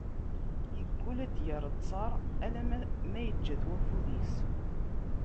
Yeggul ar d-yerr ttaṛ, ala ma yeǧǧa-t ufud-is.